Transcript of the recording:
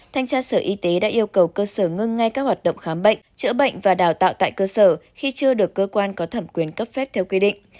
thanh tra sở y tế đã yêu cầu cơ sở ngưng ngay các hoạt động khám bệnh chữa bệnh và đào tạo tại cơ sở khi chưa được cơ quan có thẩm quyền cấp phép theo quy định